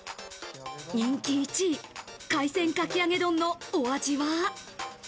人気１位、海鮮かき揚げ丼のお味は？